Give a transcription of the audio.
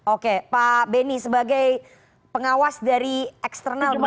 oke pak benny sebagai pengawas dari eksternal